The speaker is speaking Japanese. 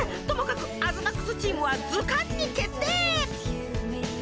ともかく東ＭＡＸチームは図鑑に決定！